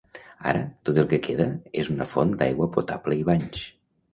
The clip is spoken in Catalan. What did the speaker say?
Ara, tot el que queda és una font d'aigua potable i banys.